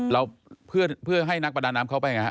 แล้วเพื่อให้นักประดาน้ำเข้าไปยังไงครับ